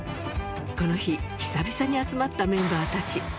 この日、久々に集まったメンバーたち。